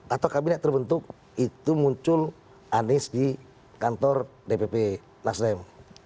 atau kabinet terbentuk itu muncul anies di kantor dpp nasdem